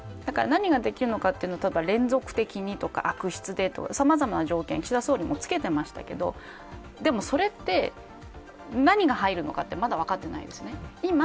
何ができるのかとなると連続的にとか悪質で、とかさまざまな条件をつけていましたがでもそれって何が入るのかってまだ分かってないんですね。